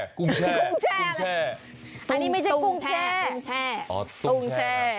อันนี้ไม่ใช่กุ้งแช่อ่อตุ้งแช่